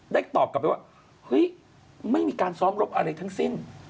ตอบกลับไปว่าเฮ้ยไม่มีการซ้อมรบอะไรทั้งสิ้น